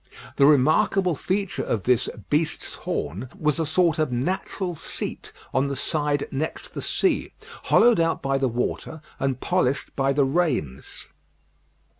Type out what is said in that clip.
The remarkable feature of this "Beast's Horn" was a sort of natural seat on the side next the sea, hollowed out by the water, and polished by the rains.